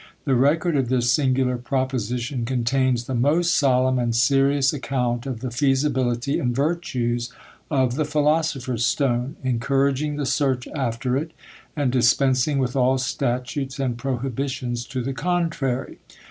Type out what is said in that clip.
The record of this singular proposition contains "the most solemn and serious account of the feasibility and virtues of the philosopher's stone, encouraging the search after it, and dispensing with all statutes and prohibitions to the contrary."